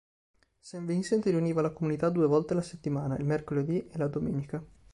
St. Vincent riuniva la comunità due volte la settimana, il mercoledì e la domenica.